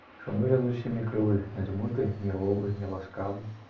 Чаму я з усімі крывы, надзьмуты, нервовы, няласкавы?